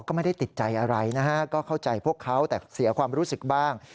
ก็ไม่ได้ติดใจอะไรนะฮะก็เข้าใจพวกเขาแต่เสียความรู้สึกบ้าง